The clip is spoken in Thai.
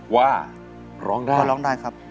ว่าร้องได้ครับ